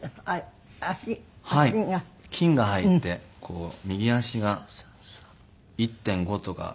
菌が入ってこう右足が１．５とか。